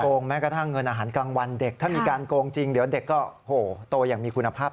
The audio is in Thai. งแม้กระทั่งเงินอาหารกลางวันเด็กถ้ามีการโกงจริงเดี๋ยวเด็กก็โตอย่างมีคุณภาพ